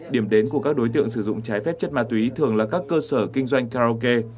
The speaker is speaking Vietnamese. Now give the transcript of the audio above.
điểm đến của các đối tượng sử dụng trái phép chất ma túy thường là các cơ sở kinh doanh karaoke